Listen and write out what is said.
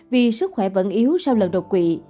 vì sức khỏe vẫn yếu sau lần đột quỵ